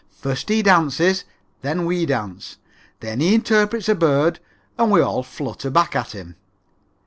First he dances, then we dance; then he interprets a bird and we all flutter back at him.